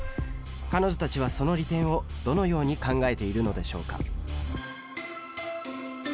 彼女たちはその利点をどのように考えているのでしょうか？